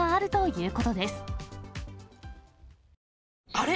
あれ？